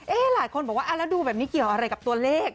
หลายคนบอกว่าแล้วดูแบบนี้เกี่ยวอะไรกับตัวเลข